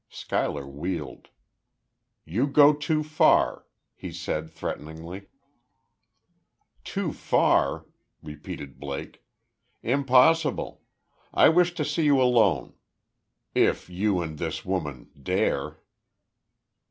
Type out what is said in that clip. Schuyler wheeled. "You go too far," he said, threateningly. "Too far?" repeated Blake. "Impossible.... I wish to see you alone if you, and this woman dare."